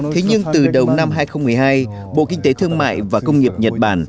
thế nhưng từ đầu năm hai nghìn một mươi hai bộ kinh tế thương mại và công nghiệp nhật bản